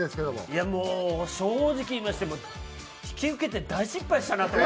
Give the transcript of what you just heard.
いやもう正直言いまして引き受けて大失敗したなと。